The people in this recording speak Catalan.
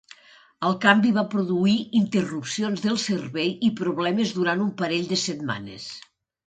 El canvi va produir interrupcions del servei i problemes durant un parell de setmanes.